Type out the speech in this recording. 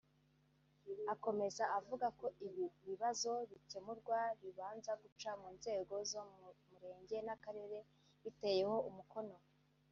Akomeza avuga ko ibi bibazo bikemurwa bibanza guca mu nzego zo ku murenge n’akarere biteyeho umukono